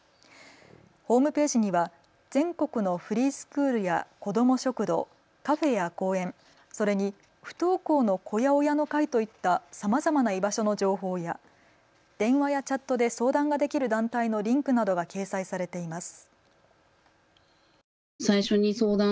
ホームページには全国のフリースクールや子ども食堂、カフェや公園、それに不登校の子や親の会といったさまざまな居場所の情報や電話やチャットで相談ができる団体のリンクなどが掲載されています。